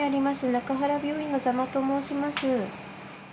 中原病院の座間と申します。